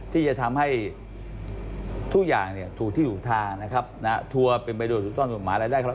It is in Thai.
ที่จะทำให้ทุกอย่างถูกที่ถูกทางนะครับทัวร์เป็นบริโดยถูกต้อนถูกหมาย